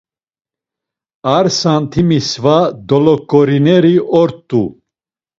Ar santimi sva doloǩorineri ort̆u.